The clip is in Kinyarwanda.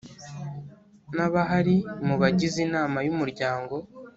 n abahari mu bagize inama y umuryango